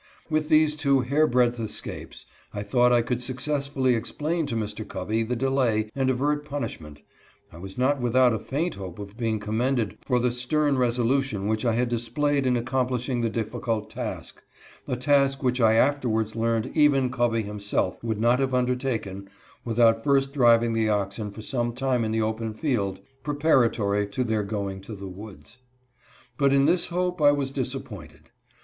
With these two hair breadth escapes I thought I could successfully explain to Mr. Covey the delay and avert punishment — I was not without a faint hope of being commended for the stern resolution which I had displayed in accomplishing the difficult task — a task which I afterwards learned even Covey himself would not have undertaken without first driving the oxen for BREAKING OXEN. 147 some time in the open field, preparatory to their going to the woods. But in this hope I was disappointed.